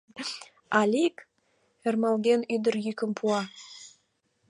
— Алик?! — ӧрмалген, ӱдыр йӱкым пуа.